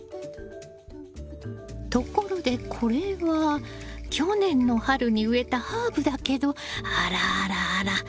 ところでこれは去年の春に植えたハーブだけどあらあらあら。